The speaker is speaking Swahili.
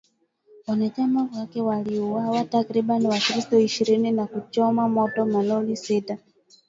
Wanachama wake waliwauwa takribani wakristo ishirini na kuchoma moto malori sita